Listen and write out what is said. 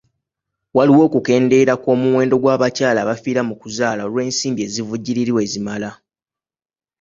Waliwo okukendeera kw'omuwendo gw'abakyala abafiira mu kuzaala olw'ensimbi ezivujjirirwa ezimala.